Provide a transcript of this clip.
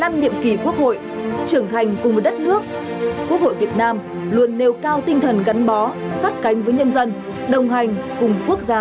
bảy mươi sáu năm với một mươi năm nhiệm kỳ quốc hội trưởng thành cùng đất nước quốc hội việt nam luôn nêu cao tinh thần gắn bó sát cánh với nhân dân đồng hành cùng quốc gia dân tộc